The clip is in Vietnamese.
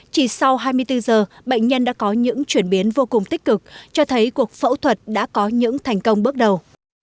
chỉ sau hai mươi bốn giờ bệnh nhân đã có những chuyển biến vô cùng tích cực cho thấy cuộc phẫu thuật đã có những thành công bước đầu